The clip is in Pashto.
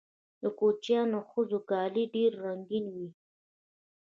د کوچیانیو ښځو کالي ډیر رنګین وي.